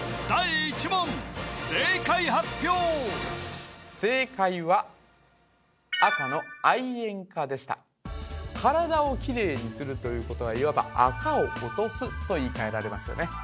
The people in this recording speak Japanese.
第１問正解発表正解は赤の愛煙家でした体をきれいにするということはいわばアカを落とすと言い換えられますよね